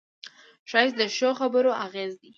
ښایست د ښو خبرو اغېز دی